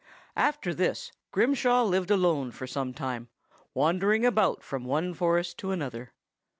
"After this Grimshaw lived alone for some time, wandering about from one forest to another.